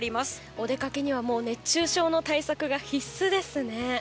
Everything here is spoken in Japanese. お出かけにはもう熱中症の対策が必須ですね。